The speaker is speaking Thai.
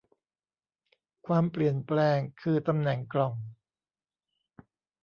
ความเปลี่ยนแปลง คือ ตำแหน่งกล่อง